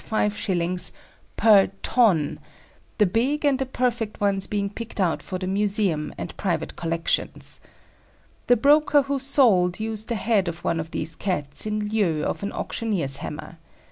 _ per ton, the big and the perfect ones being picked out for the museum and private collections. The broker who sold used a head of one of these Cats in lieu of an auctioneer's hammer.